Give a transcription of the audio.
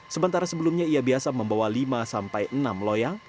sementara sebelumnya ia biasa membawa lima sampai enam loyang